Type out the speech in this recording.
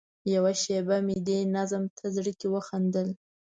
یوه شېبه مې دې نظم ته زړه کې وخندل.